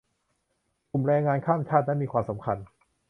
กลุ่มแรงงานข้ามชาตินั้นมีความสำคัญ